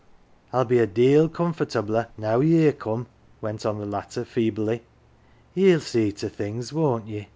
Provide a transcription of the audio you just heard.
" I'll be a deal comfortabler now ye're come," went on the latter feebly. " Ye'll see to things, won't ye